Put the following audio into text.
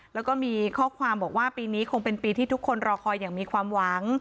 แล้วก็มีข้อความบอกว่าปีนี้คงเป็นปีที่ทุกคนรอคอยอย่างมีความหวัง